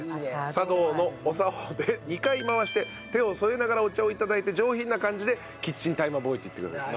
茶道のお作法で２回回して手を添えながらお茶を頂いて上品な感じでキッチンタイマーボーイと言ってくださいと。